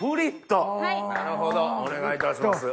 なるほどお願いいたします。